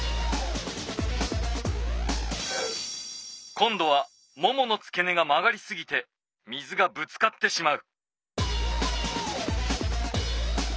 今度はもものつけ根が曲がりすぎて水がぶつかってしまう。